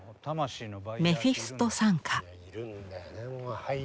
「メフィスト惨歌」。